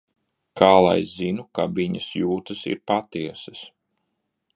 Kā lai zinu, ka viņas jūtas ir patiesas?